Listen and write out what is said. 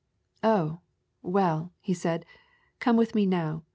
"Oh, well," he said, "come with me now.